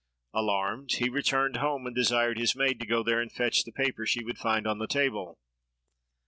Alarmed, he returned home, and desired his maid to go there and fetch the paper she would find on the table.